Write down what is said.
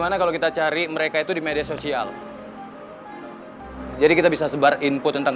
tapi tetep gak ada titik terang